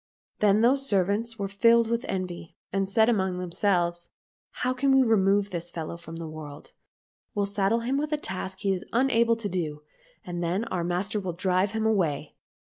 Then those servants were filled with envy, and said among themselves, " How can we remove this fellow from the world ? We'll saddle him with a task he is unable to do, and then our master will drive him away."